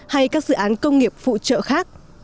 hay các dự án công nghiệp phụ trợ khác